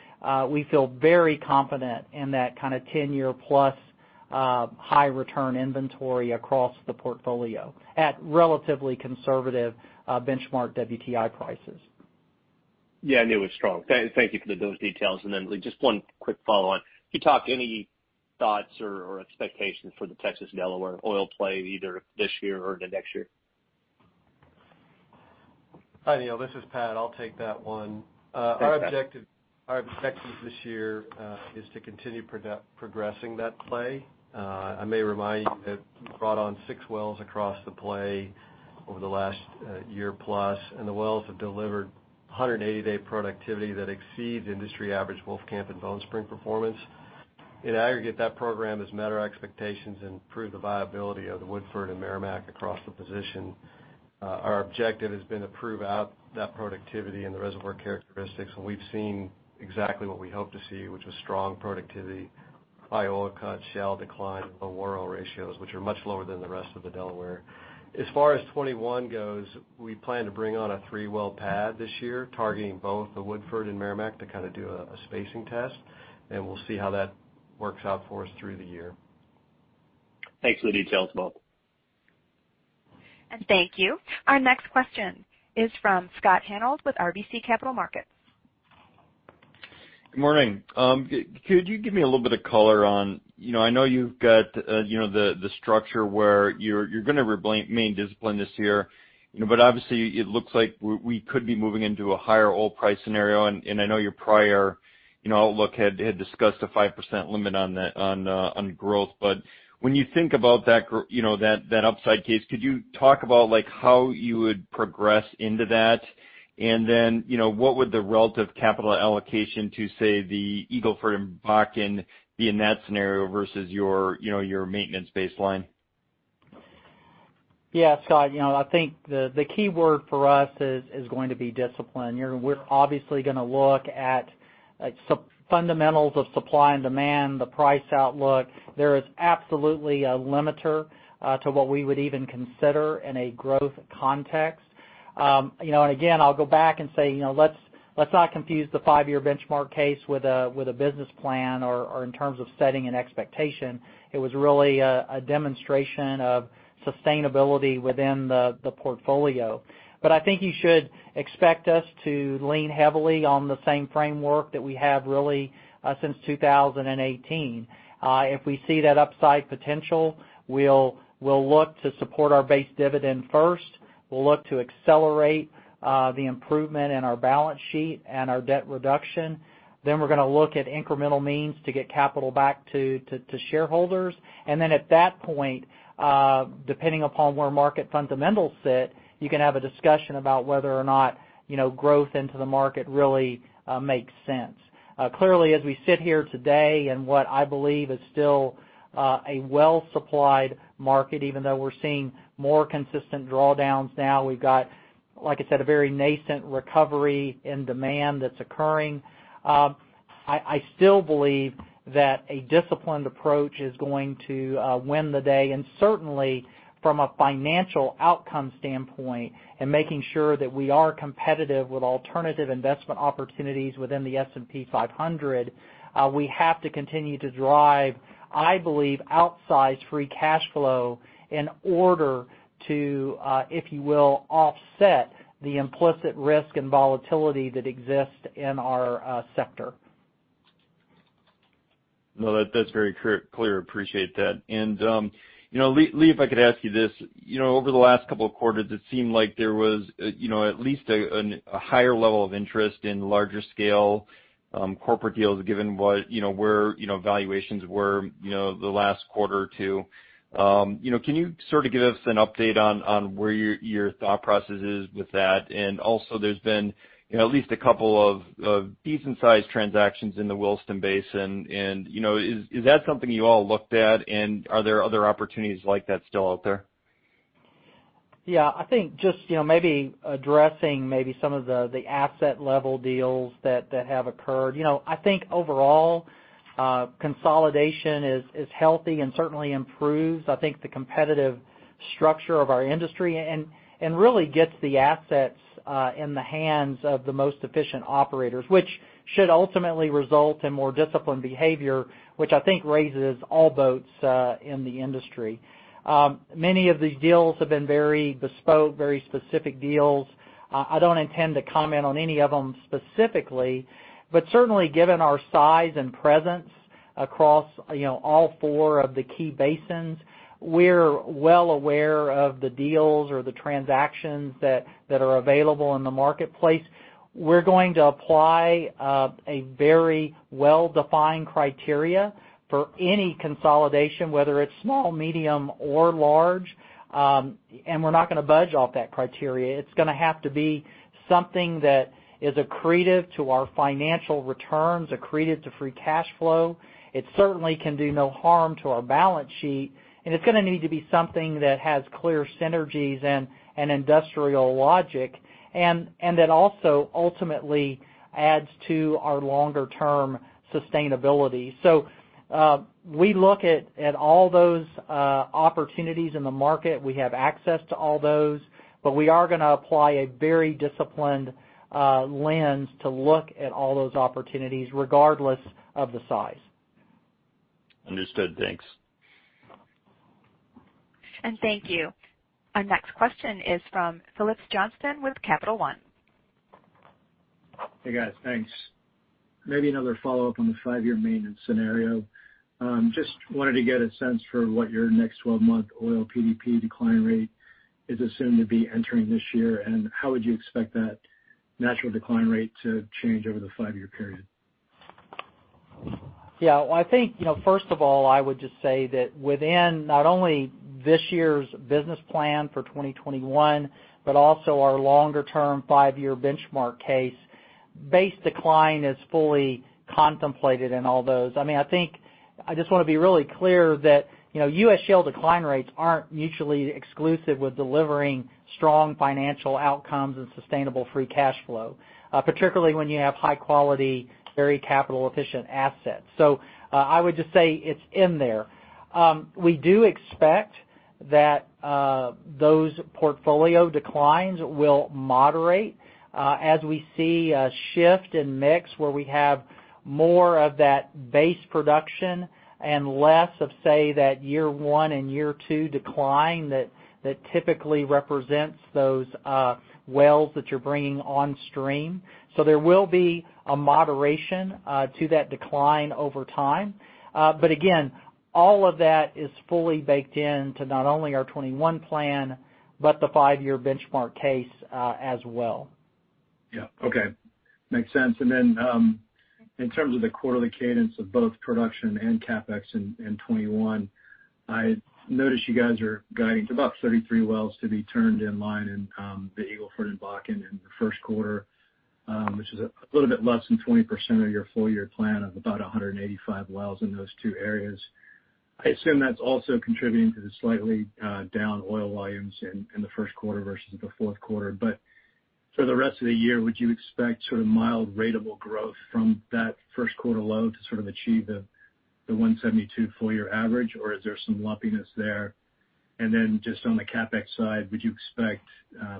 we feel very confident in that kind of 10-year+ high return inventory across the portfolio at relatively conservative benchmark WTI prices. Yeah, Lee. Thank you for those details. Then Lee, just one quick follow on. Can you talk any thoughts or expectations for the Texas Delaware oil play, either this year or into next year? Hi, Neal, this is Pat. I'll take that one. Our objective this year is to continue progressing that play. I may remind you that we brought on six wells across the play over the last year plus. The wells have delivered 180-day productivity that exceeds industry average Wolfcamp and Bone Spring performance. In aggregate, that program has met our expectations and proved the viability of the Woodford and Meramec across the position. Our objective has been to prove out that productivity and the reservoir characteristics. We've seen exactly what we hoped to see, which was strong productivity, high oil cut, shale decline, low oil ratios, which are much lower than the rest of the Delaware. As far as 2021 goes, we plan to bring on a three-well pad this year targeting both the Woodford and Meramec to kind of do a spacing test. We'll see how that works out for us through the year. Thanks for the details, both. And thank you. Our next question is from Scott Hanold with RBC Capital Markets. Good morning. Could you give me a little bit of color on, I know you've got the structure where you're going to remain disciplined this year. Obviously, it looks like we could be moving into a higher oil price scenario, and I know your prior outlook had discussed a 5% limit on growth. When you think about that upside case, could you talk about how you would progress into that? What would the relative capital allocation to, say, the Eagle Ford and Bakken be in that scenario versus your maintenance baseline? Yeah, Scott. I think the key word for us is going to be discipline. We're obviously going to look at fundamentals of supply and demand, the price outlook. There is absolutely a limiter to what we would even consider in a growth context. Again, I'll go back and say, let's not confuse the five-year benchmark case with a business plan or in terms of setting an expectation. It was really a demonstration of sustainability within the portfolio. I think you should expect us to lean heavily on the same framework that we have really since 2018. If we see that upside potential, we'll look to support our base dividend first. We'll look to accelerate the improvement in our balance sheet and our debt reduction. We're going to look at incremental means to get capital back to shareholders. Then at that point, depending upon where market fundamentals sit, you can have a discussion about whether or not growth into the market really makes sense. Clearly, as we sit here today in what I believe is still a well-supplied market, even though we're seeing more consistent drawdowns now, we've got, like I said, a very nascent recovery in demand that's occurring. I still believe that a disciplined approach is going to win the day. Certainly, from a financial outcome standpoint and making sure that we are competitive with alternative investment opportunities within the S&P 500, we have to continue to drive, I believe, outsized free cash flow in order to, if you will, offset the implicit risk and volatility that exists in our sector. No, that's very clear. Appreciate that. Lee, if I could ask you this. Over the last couple of quarters, it seemed like there was at least a higher level of interest in larger scale corporate deals given where valuations were the last quarter or two. Can you sort of give us an update on where your thought process is with that? Also, there's been at least a couple of decent sized transactions in the Williston Basin, and is that something you all looked at? Are there other opportunities like that still out there? Yeah, I think just maybe addressing some of the asset level deals that have occurred. I think overall, consolidation is healthy and certainly improves, I think, the competitive structure of our industry, and really gets the assets in the hands of the most efficient operators, which should ultimately result in more disciplined behavior, which I think raises all boats in the industry. Many of these deals have been very bespoke, very specific deals. I don't intend to comment on any of them specifically, but certainly given our size and presence across all four of the key basins, we're well aware of the deals or the transactions that are available in the marketplace. We're going to apply a very well-defined criteria for any consolidation, whether it's small, medium, or large. We're not going to budge off that criteria. It's going to have to be something that is accretive to our financial returns, accretive to free cash flow. It certainly can do no harm to our balance sheet, and it's going to need to be something that has clear synergies and industrial logic, and that also ultimately adds to our longer term sustainability. We look at all those opportunities in the market. We have access to all those, but we are going to apply a very disciplined lens to look at all those opportunities, regardless of the size. Understood. Thanks. Thank you. Our next question is from Phillips Johnston with Capital One. Hey, guys. Thanks. Maybe another follow-up on the five-year maintenance scenario. Just wanted to get a sense for what your next 12-month oil PDP decline rate is assumed to be entering this year, and how would you expect that natural decline rate to change over the five-year period? Yeah. Well, I think, first of all, I would just say that within not only this year's business plan for 2021, but also our longer term five-year benchmark case, base decline is fully contemplated in all those. I think I just want to be really clear that U.S. shale decline rates aren't mutually exclusive with delivering strong financial outcomes and sustainable free cash flow, particularly when you have high quality, very capital efficient assets. I would just say it's in there. We do expect that those portfolio declines will moderate as we see a shift in mix where we have more of that base production and less of, say, that year one and year two decline that typically represents those wells that you're bringing on stream. There will be a moderation to that decline over time. Again, all of that is fully baked into not only our 2021 plan, but the five-year benchmark case as well. In terms of the quarterly cadence of both production and CapEx in 2021, I noticed you guys are guiding to about 33 wells to be turned in line in the Eagle Ford and Bakken in the first quarter, which is a little bit less than 20% of your full-year plan of about 185 wells in those two areas. I assume that's also contributing to the slightly down oil volumes in the first quarter versus the fourth quarter. For the rest of the year, would you expect mild ratable growth from that first quarter low to achieve the 172 full-year average, or is there some lumpiness there? Just on the CapEx side, would you expect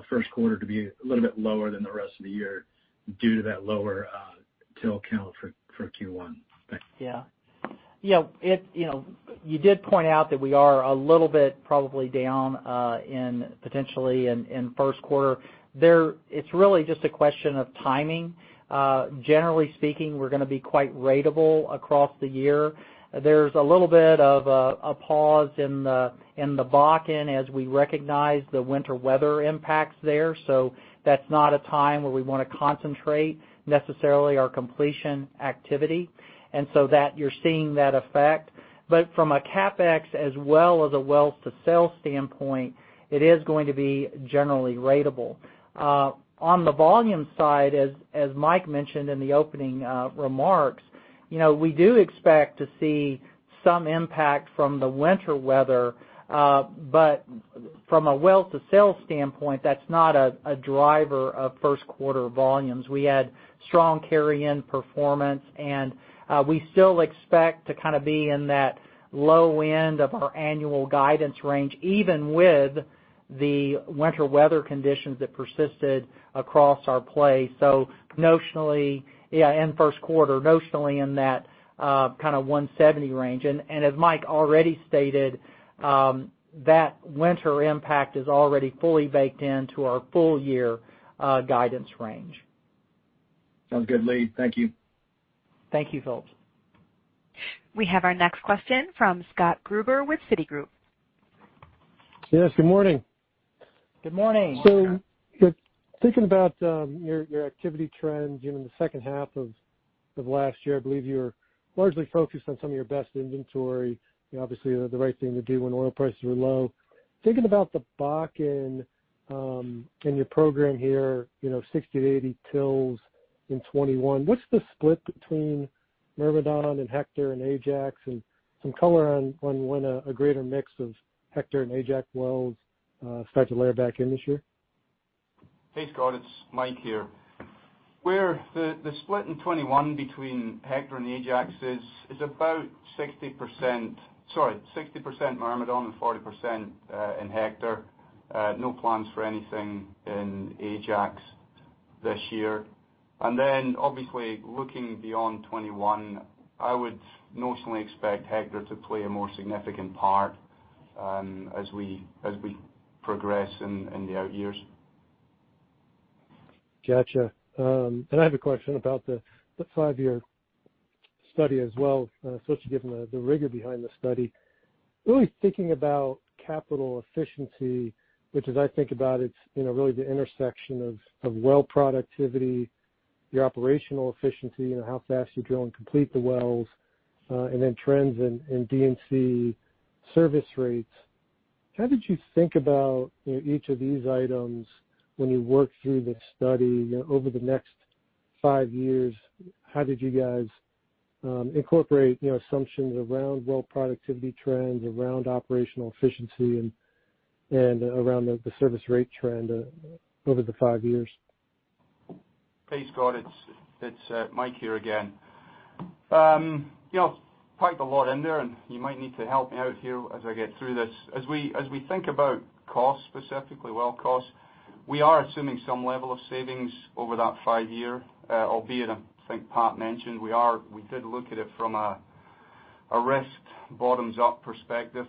first quarter to be a little bit lower than the rest of the year due to that lower till count for Q1? Thanks. Yeah. You did point out that we are a little bit probably down potentially in first quarter. It's really just a question of timing. Generally speaking, we're going to be quite ratable across the year. There's a little bit of a pause in the Bakken as we recognize the winter weather impacts there. That's not a time where we want to concentrate necessarily our completion activity. You're seeing that effect. From a CapEx as well as a well to sale standpoint, it is going to be generally ratable. On the volume side, as Mike mentioned in the opening remarks, we do expect to see some impact from the winter weather. From a well to sale standpoint, that's not a driver of first quarter volumes. We had strong carry-in performance, and we still expect to be in that low end of our annual guidance range, even with the winter weather conditions that persisted across our play. Notionally, yeah, in first quarter, notionally in that kind of 170,000 barrels of oil per day range. As Mike already stated, that winter impact is already fully baked into our full year guidance range. Sounds good, Lee. Thank you. Thank you, Phillips. We have our next question from Scott Gruber with Citigroup. Yes, good morning. Good morning, Scott. Thinking about your activity trends during the second half of last year, I believe you were largely focused on some of your best inventory. Obviously, the right thing to do when oil prices are low. Thinking about the Bakken and your program here, 60-80 tills in 2021. What's the split between Myrmidon and Hector and Ajax, and some color on when a greater mix of Hector and Ajax wells start to layer back in this year? Hey, Scott, it's Mike here. The split in 2021 between Hector and Ajax is about 60% Myrmidon, and 40% in Hector. No plans for anything in Ajax this year. Obviously looking beyond 2021, I would notionally expect Hector to play a more significant part as we progress in the out years. Got you. I have a question about the five-year study as well, so to give them the rigor behind the study. Really thinking about capital efficiency, which as I think about it's really the intersection of well productivity, your operational efficiency, how fast you drill and complete the wells, and then trends in D&C service rates. How did you think about each of these items when you worked through the study over the next five years? How did you guys incorporate assumptions around well productivity trends, around operational efficiency, and around the service rate trend over the five years? Hey, Scott. It's Mike here again. You packed a lot in there, and you might need to help me out here as I get through this. As we think about cost, specifically well cost, we are assuming some level of savings over that five-year, albeit I think Pat mentioned we did look at it from a risked bottoms-up perspective.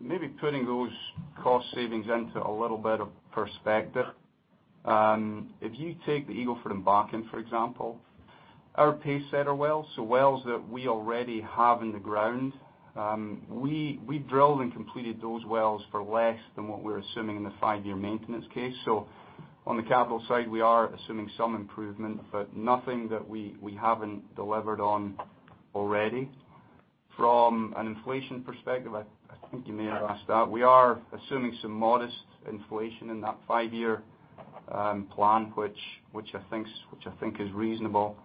Maybe putting those cost savings into a little bit of perspective. If you take the Eagle Ford and Bakken, for example, our pacesetter wells, so wells that we already have in the ground, we drilled and completed those wells for less than what we're assuming in the five-year maintenance case. On the capital side, we are assuming some improvement, but nothing that we haven't delivered on already. From an inflation perspective, I think you may have asked that. We are assuming some modest inflation in that five-year plan, which I think is reasonable.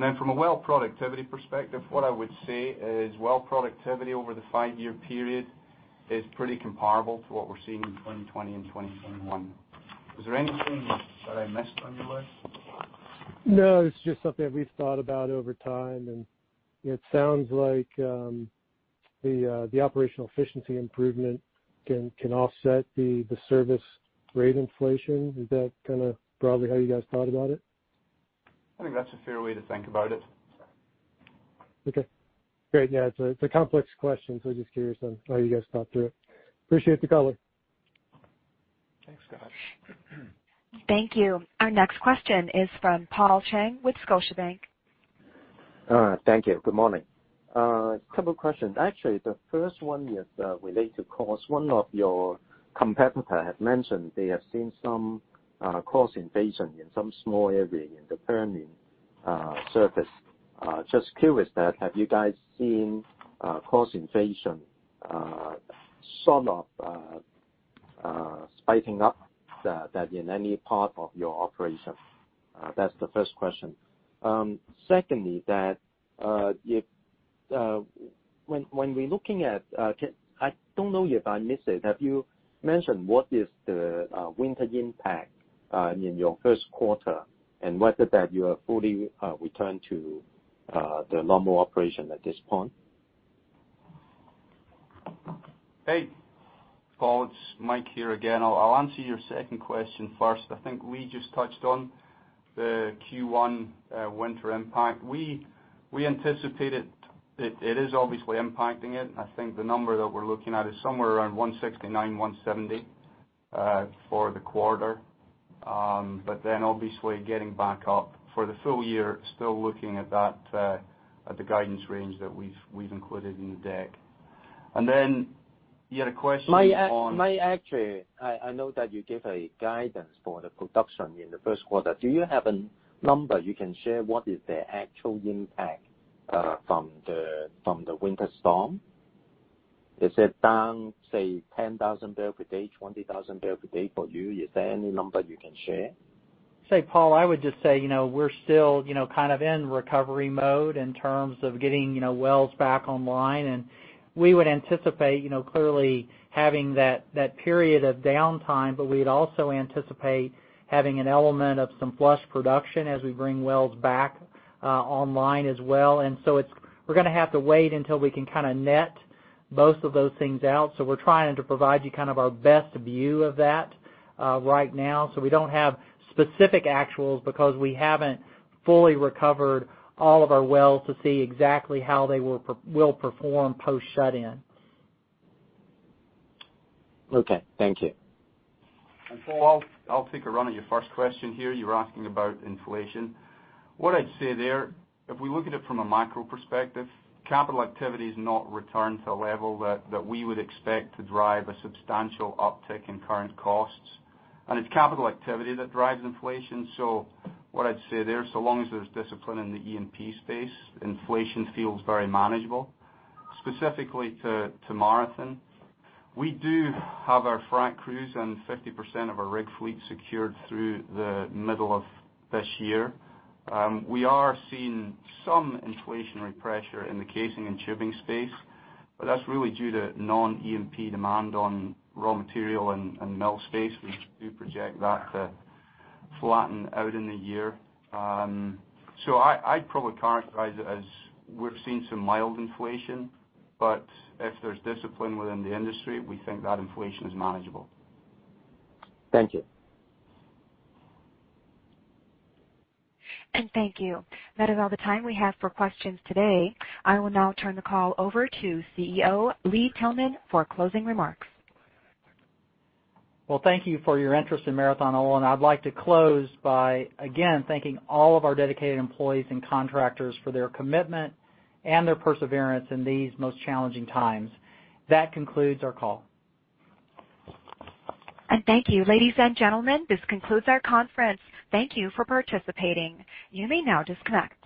Then from a well productivity perspective, what I would say is well productivity over the five-year period is pretty comparable to what we're seeing in 2020 and 2021. Was there anything that I missed on your list? No, it's just something that we've thought about over time, and it sounds like the operational efficiency improvement can offset the service rate inflation. Is that kind of broadly how you guys thought about it? I think that's a fair way to think about it. Okay, great. Yeah, it's a complex question, so just curious on how you guys thought through it. Appreciate the color. Thanks, Scott. Thank you. Our next question is from Paul Cheng with Scotiabank. Thank you. Good morning. A couple questions. Actually, the first one is related to cost. One of your competitor had mentioned they have seen some cost inflation in some small area in the Permian Basin. Just curious that have you guys seen cost inflation sort of spiking up in any part of your operation? That's the first question. Secondly, I don't know if I missed it. Have you mentioned what is the winter impact in your first quarter and whether that you are fully returned to the normal operation at this point? Hey, Paul, it's Mike here again. I'll answer your second question first. I think we just touched on the Q1 winter impact. We anticipated it is obviously impacting it. I think the number that we're looking at is somewhere around 169,000, 170,000 barrels for the quarter. Obviously getting back up for the full year, still looking at the guidance range that we've included in the deck. You had a question on- Actually, I know that you gave a guidance for the production in the first quarter. Do you have a number you can share what is the actual impact from the winter storm? Is it down, say, 10,000 barrel per day, 20,000 barrel per day for you? Is there any number you can share? Say, Paul, I would just say, we're still kind of in recovery mode in terms of getting wells back online, and we would anticipate, clearly having that period of downtime, but we'd also anticipate having an element of some flush production as we bring wells back online as well. We're going to have to wait until we can net both of those things out. We're trying to provide you our best view of that right now. We don't have specific actuals because we haven't fully recovered all of our wells to see exactly how they will perform post shut-in. Okay. Thank you. Paul, I'll take a run at your first question here. You were asking about inflation. What I'd say there, if we look at it from a macro perspective, capital activity has not returned to a level that we would expect to drive a substantial uptick in current costs. It's capital activity that drives inflation. What I'd say there, so long as there's discipline in the E&P space, inflation feels very manageable. Specifically to Marathon, we do have our frac crews and 50% of our rig fleet secured through the middle of this year. We are seeing some inflationary pressure in the casing and tubing space, but that's really due to non-E&P demand on raw material and mill space. We do project that to flatten out in the year. I'd probably characterize it as we're seeing some mild inflation, but if there's discipline within the industry, we think that inflation is manageable. Thank you. Thank you. That is all the time we have for questions today. I will now turn the call over to CEO Lee Tillman for closing remarks. Well, thank you for your interest in Marathon Oil, and I'd like to close by, again, thanking all of our dedicated employees and contractors for their commitment and their perseverance in these most challenging times. That concludes our call. Thank you. Ladies and gentlemen, this concludes our conference. Thank you for participating. You may now disconnect.